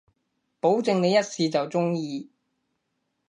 保證你一試就中意